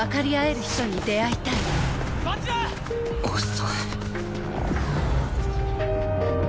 遅い